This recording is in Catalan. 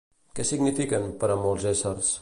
Què signifiquen per a molts éssers?